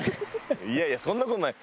いやいやそんな事ない。